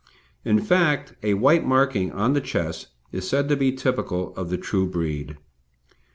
In fact, a white marking on the chest is said to be typical of the true breed.